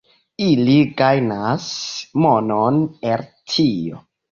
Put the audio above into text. Ili gajnas monon el tio.